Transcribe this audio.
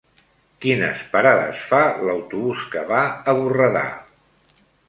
Quines parades fa l'autobús que va a Borredà?